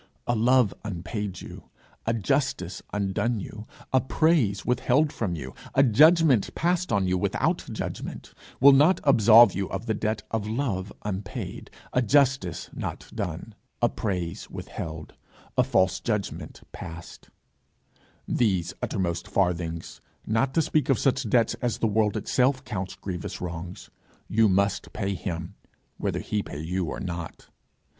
A love unpaid you, a justice undone you, a praise withheld from you, a judgment passed on you without judgment, will not absolve you of the debt of a love unpaid, a justice not done, a praise withheld, a false judgment passed: these uttermost farthings not to speak of such debts as the world itself counts grievous wrongs you must pay him, whether he pay you or not.